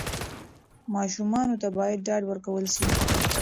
ماشومانو ته باید ډاډ ورکړل سي.